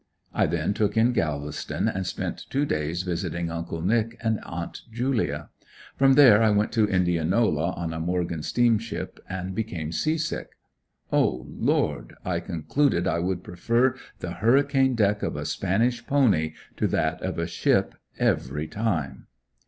I then took in Galveston and spent two days visiting Uncle Nick and Aunt Julia. From there I went to Indianola on a Morgan Steamship and became sea sick; Oh, Lord! I concluded I would prefer the hurricane deck of a Spanish pony to that of a ship, every time.